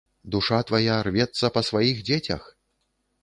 Душа твая рвецца па сваіх дзецях?